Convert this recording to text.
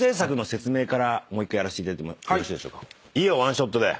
もう１回やらせていただいてもよろしいでしょうか。